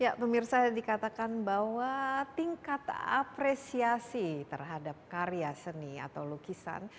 ya pemirsa dikatakan bahwa tingkat apresiasi terhadap karya seni atau lukisan